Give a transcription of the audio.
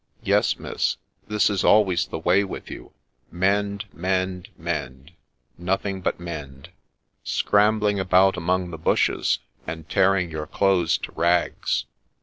' Yes, Miss, this is always the way with you ! mend, mend, mend, — nothing but mend ! Scrambling about among the bushes, and tearing your clothes to rags.